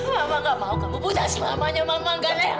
mama nggak mau kamu buta selamanya mama nggak layak